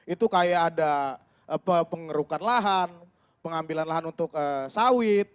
itu kayak ada pengerukan lahan pengambilan lahan untuk sawit